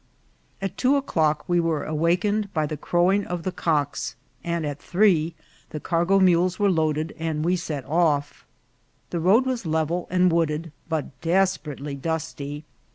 AT two o'clock we were awakened by the crowing of the cocks, and at three the cargo mules were loaded and we set off. The road was level and wooded, but desperately dusty.